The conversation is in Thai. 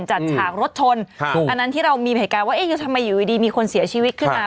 จัดฉากรถชนอันนั้นที่เรามีเหตุการณ์ว่าเอ๊ะทำไมอยู่ดีมีคนเสียชีวิตขึ้นมา